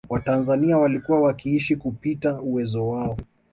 Watanzania walikuwa wakiishi kupita uwezo wao